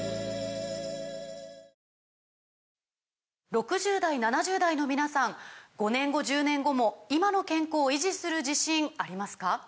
６０代７０代の皆さん５年後１０年後も今の健康維持する自信ありますか？